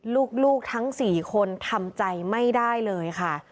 ลูกทั้ง๔คนทำใจไม่ได้เลยค่ะ